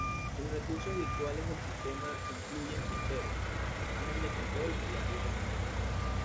Los recursos virtuales del sistema incluyen ficheros, Panel de control y áreas de memoria.